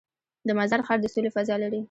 د مزار ښار د سولې فضا لري.